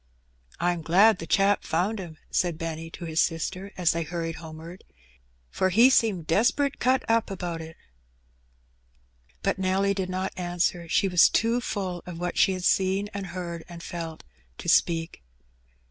'^Pm glad the chap found 'im,^^ said Benny to his sister, as they hurried homeward, "for he seemed desperate cut up ^out it.^^ But Nelly did not answer; she was too full of what she had seen, and heard, and felt, to speak.